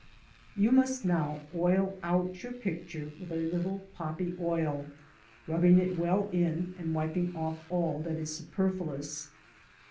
You must now "oil out" your picture with a little poppy oil, rubbing it well in and wiping off" all that is superfluous.